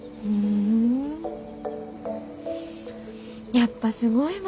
やっぱすごいわ。